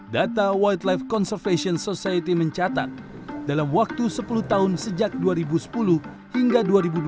data white life conservation society mencatat dalam waktu sepuluh tahun sejak dua ribu sepuluh hingga dua ribu dua puluh